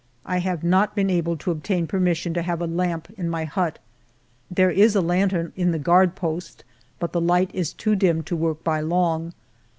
I have not been able to obtain permission to have a lamp in my hut. There is a lantern in the guard post, but the light is too dim to work by long.